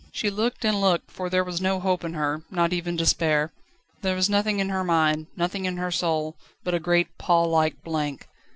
She looked and looked, for there was no hope in her, not even despair. There was nothing in her mind, nothing in her soul, but a great pall like blank.